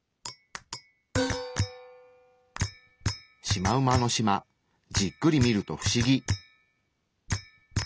シマウマのしまじっくり見るとフシギ。